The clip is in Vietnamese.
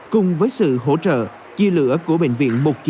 cùng với sự hỗ trợ chi lửa của bệnh viện một trăm chín mươi tám